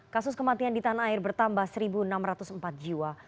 kasus kematian di tanah air bertambah satu enam ratus empat jiwa